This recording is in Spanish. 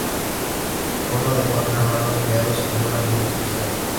Fue una de cuatro hermanos criados en un ambiente cristiano.